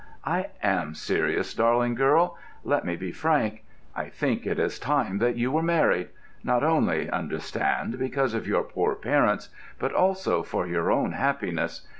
"I am serious, darling girl. Let me be frank. I think it is time that you were married—not only, understand, because of your poor parents, but also for your own happiness.